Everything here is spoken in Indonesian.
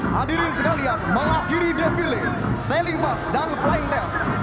hadirin sekalian mengakhiri defile selling bus dan flying test